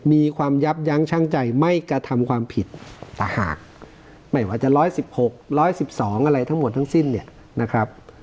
มีความยับยั้งชั่งใจไม่กระทำความผิดสหากหมายความจะร้อยสิบหกร้อยสิบสองอะไรทั้งหมดทั้งสิ้นเนี่ยนะครับ